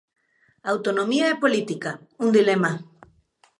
Autonomía e política, un dilema